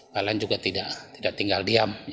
pln juga tidak tinggal diam